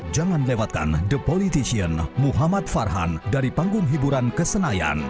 jangan lewatkan the politician muhammad farhan dari panggung hiburan ke senayan